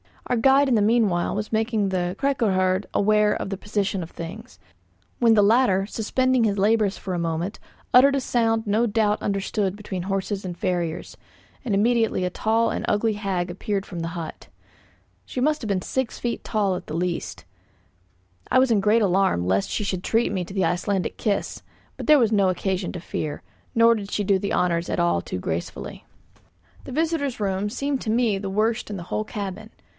Our guide in the meanwhile was making the 'kyrkoherde' aware of the position of things; when the latter, suspending his labours for a moment, uttered a sound no doubt understood between horses and farriers, and immediately a tall and ugly hag appeared from the hut. She must have been six feet at the least. I was in great alarm lest she should treat me to the Icelandic kiss; but there was no occasion to fear, nor did she do the honours at all too gracefully. The visitors' room seemed to me the worst in the whole cabin.